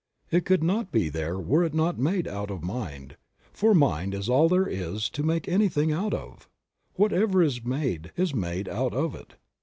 It could not be there were it not made out of Mind, for mind is all there is to make anything out of. Whatever is made is made out of it.